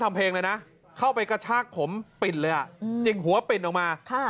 เพลงเลยนะเข้าไปกระชากผมปิ่นเลยอ่ะจิกหัวปิ่นออกมา